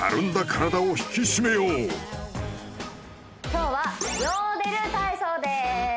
今日はヨーデル体操です